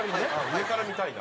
上から見たいな。